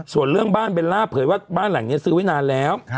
ส่วนเรื่องบ้านเบลล่าเผยว่าบ้านหลังนี้ซื้อไว้นานแล้ว